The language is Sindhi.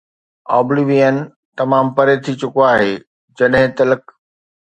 Oblivion تمام پري ٿي چڪو آهي، جڏهن تلڪ